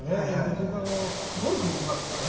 僕ゴルフ行きますとね